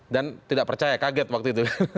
dan tidak percaya kaget waktu itu